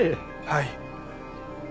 はい。